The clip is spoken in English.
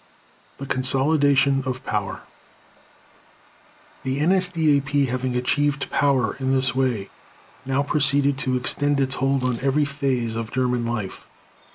The Consolidation of Power The NSDAP, having achieved power in this way, now proceeded to extend its hold on every phase of German life.